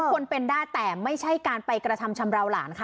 คนเป็นได้แต่ไม่ใช่การไปกระทำชำราวหลานค่ะ